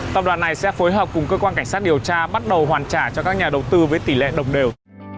tập đoàn này sẽ phối hợp cùng cơ quan cảnh sát điều tra bắt đầu hoàn trả cho các nhà đầu tư với tỷ lệ đồng đều